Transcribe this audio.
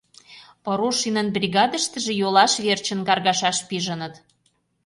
Порошинын бригадыштыже йолаш верчын каргашаш пижыныт.